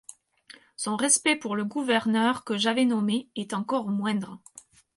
Son respect pour le Gouverner que j'avais nommé est encore moindre.